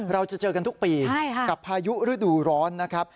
เราจะเจอกันทุกปีกับพายุฤดูร้อนนะครับ